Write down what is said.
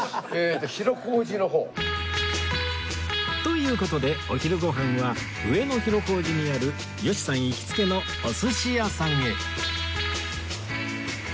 という事でお昼ご飯は上野広小路にある吉さん行きつけのお寿司屋さんへ